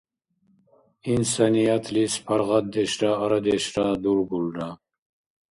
Инсаниятлис паргъатдешра арадешра дулгулра.